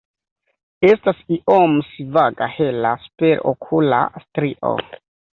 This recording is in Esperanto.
Estas iom svaga hela superokula strio.